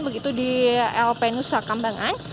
begitu di el penusa kambangan